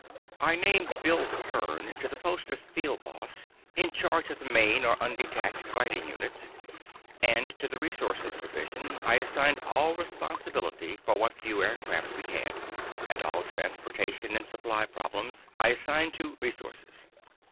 I named Bill Hearn to the post of Field Boss, in charge of the main or undetached fighting units, and to the Resources Division, I assigned all responsibility for what few aircraft we had; and all transportation and supply problems, I assigned to "Resources."